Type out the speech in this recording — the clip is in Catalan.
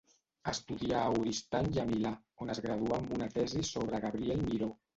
Estudià a Oristany i a Milà, on es graduà amb una tesi sobre Gabriel Miró.